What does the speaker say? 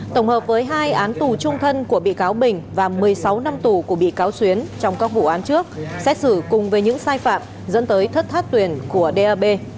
tổng hợp với hai án tù trung thân của bị cáo bình và một mươi sáu năm tù của bị cáo xuyến trong các vụ án trước xét xử cùng về những sai phạm dẫn tới thất thoát tuyển của dap